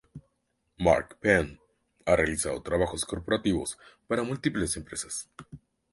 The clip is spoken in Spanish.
Mark Penn ha realizado trabajos corporativos para múltiples empresas.